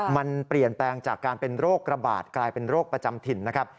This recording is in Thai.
มันเปลี่ยนแปลงจากการเป็นโรคระบาดกลายเป็นโรคประจำถิ่นนะครับ